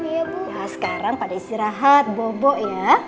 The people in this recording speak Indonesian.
nah sekarang pada istirahat bobo ya